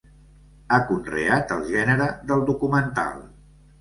Ha conreat el gènere del documental.